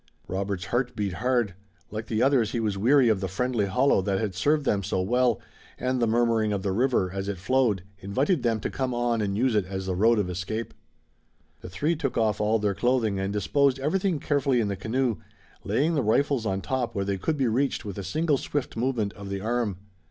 Robert's heart beat hard. Like the others he was weary of the friendly hollow that had served them so well, and the murmuring of the river, as it flowed, invited them to come on and use it as the road of escape. The three took off all their clothing and disposed everything carefully in the canoe, laying the rifles on top where they could be reached with a single swift movement of the arm.